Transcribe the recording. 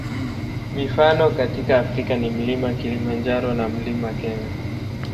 Mifano katika Afrika ni Mlima Kilimanjaro na Mlima Kenya.